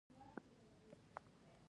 دا وايي کوم کارونه ترسره کړو.